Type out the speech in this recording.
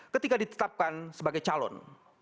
ketika ditetapkan sebagai calon